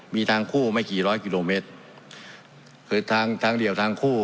มีทางคู่ไม่กี่ร้อยกิโลเมตรคือทางทางเดี่ยวทางคู่